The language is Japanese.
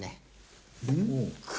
黒。